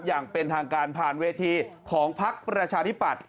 อย่างเป็นทางการผ่านเวทีของพักประชาธิปัตย